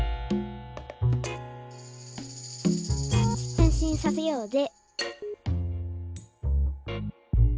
「へんしんさせようぜ」